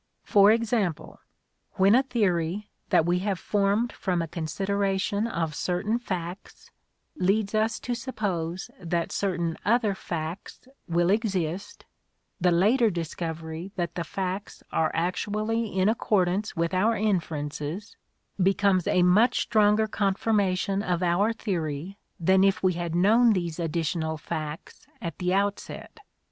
For example, when a theory, that we have formed from a considera tion of certain facts, leads us to suppose that certain other facts will exist, the later discovery that the facts are actually in accordance with our inferences becomes a much stronger confirmation of our theory than if we had known these additional facts at the outset.